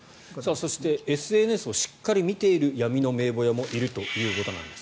そしてＳＮＳをしっかり見ている闇の名簿屋もいるということです。